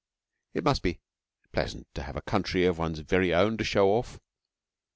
It must be pleasant to have a country of one's very own to show off.